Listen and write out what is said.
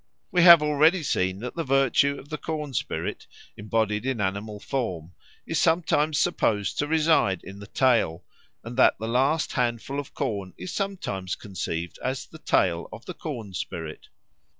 We have already seen that the virtue of the corn spirit, embodied in animal form, is sometimes supposed to reside in the tail, and that the last handful of corn is sometimes conceived as the tail of the corn spirit.